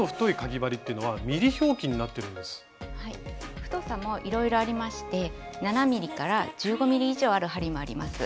太さもいろいろありまして７．０ｍｍから１５ｍｍ以上ある針もあります。